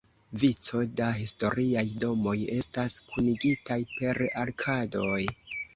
Vico da historiaj domoj estas kunigitaj per arkadoj.